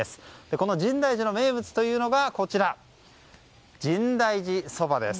この深大寺の名物というのがこちら、深大寺そばです。